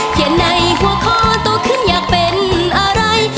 ในหัวข้อโตขึ้นอยากเป็นอะไร